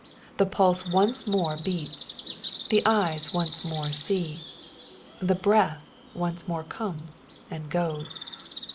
The poise once more beats. The eyes once more see. The breath once more comes and goes.